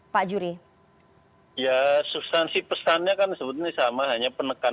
pak juri ini sempat ada perbedayaan informasi dari lingkaran presiden yakni pak fajro rahman yang mengatakan